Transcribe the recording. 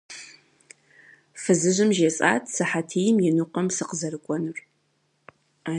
Фызыжьым жесӏат сыхьэтийм и ныкъуэм сыкъызэрыкӏуэнур.